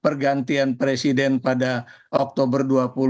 pergantian presiden pada oktober dua puluh